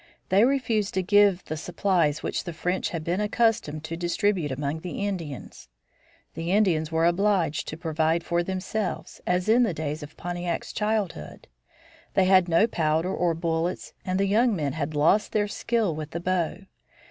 They refused to give the supplies which the French had been accustomed to distribute among the Indians. The Indians were obliged to provide for themselves, as in the days of Pontiac's childhood. They had no powder or bullets and the young men had lost their skill with the bow.